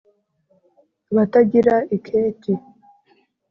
Abatagira iketi